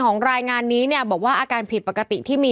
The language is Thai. ๘๔ของรายงานนี้บอกว่าอาการผิดปกติที่มี